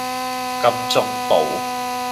金鐘道